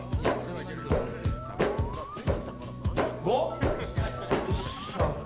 よっしゃ。